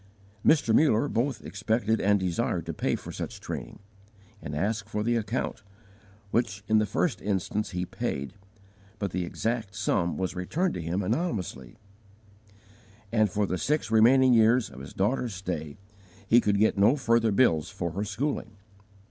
Mr. Muller both expected and desired to pay for such training, and asked for the account, which in the first instance he paid, but the exact sum was returned to him anonymously; and, for the six remaining years of his daughter's stay, he could get no further bills for her schooling.